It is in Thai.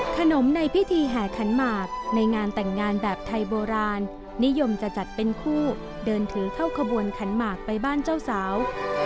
ขนมในพิธีแห่ขันหมากในงานแต่งงานแบบไทยโบราณนิยมจะจัดเป็นคู่เดินถือเข้าขบวนขันหมากไปบ้านเจ้าสาว